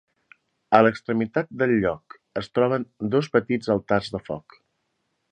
A l'extremitat del lloc es troben dos petits altars de foc.